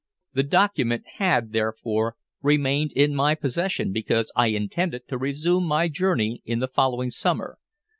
The document had therefore remained in my possession because I intended to resume my journey in the following summer.